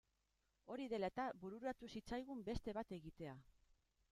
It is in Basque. Hori dela eta bururatu zitzaigun beste bat egitea.